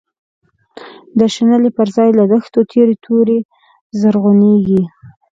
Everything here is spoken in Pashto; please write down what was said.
د شنلی بر ځای له دښتو، تیری توری زرعونیږی